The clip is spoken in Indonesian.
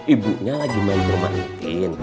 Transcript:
ibunya lagi main rumah nikin